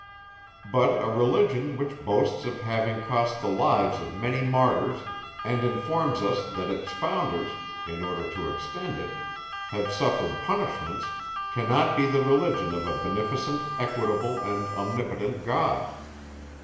But a religion, which boasts of having cost the lives of many martyrs, and informs us, that its founders, in order to extend it, have suffered punishments, cannot be the religion of a beneficent, equitable and omnipotent God.